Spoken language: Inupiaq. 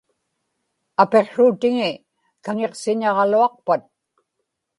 apiqsruutiŋi kaŋiqsiñaġaluaqpat